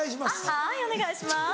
はぁいお願いしまぁ